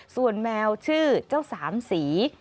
ส่วนแมวชื่อเจ้าสามสี